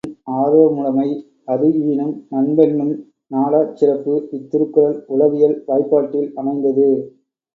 அன்புஈனும் ஆர்வ முடைமை அதுஈனும் நண்பென்னும் நாடாச் சிறப்பு இத்திருக்குறள் உளவியல் வாய்ப்பாட்டில் அமைந்தது.